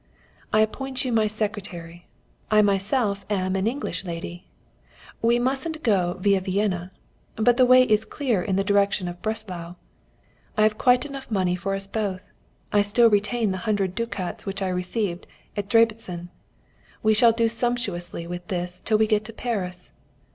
I appoint you my secretary. I myself am an English lady. We mustn't go viâ Vienna. But the way is clear in the direction of Breslau. I have quite enough money for us both. I still retain the hundred ducats which I received at Debreczin. We shall do sumptuously with this till we get to Paris.